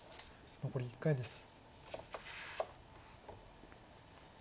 残り１回です。